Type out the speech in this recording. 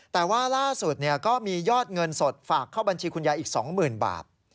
แต่ว่าล่าสุดก็มียอดเงินสดฝากเข้าบัญชีคุณยายอีก๒๐๐๐บาท